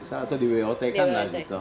atau di bot kan lah gitu